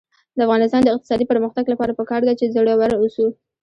د افغانستان د اقتصادي پرمختګ لپاره پکار ده چې زړور اوسو.